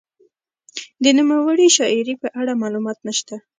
د نوموړې شاعرې په اړه معلومات نشته.